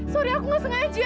sorry aku nggak sengaja